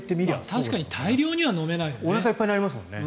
確かに大量には飲めないよね。